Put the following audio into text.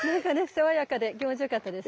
爽やかで気持ち良かったですね。